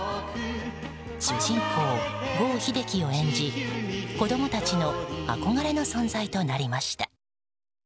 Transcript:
主人公・郷秀樹を演じ子供たちの憧れの存在となりました。